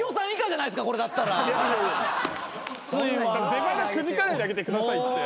出ばなくじかないであげてくださいって。